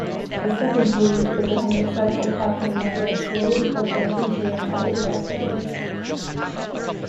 The second series began with several Captain Marvel stories before featuring other characters.